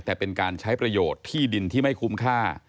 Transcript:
แต่เป็นการใช้ประโยชน์ที่ดินที่ไม่คุ้มค่า